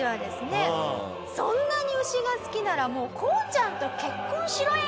そんなに牛が好きならもうこうちゃんと結婚しろや！！